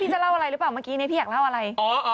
จะเล่าอะไรหรือเปล่าเมื่อกี้นี้พี่อยากเล่าอะไร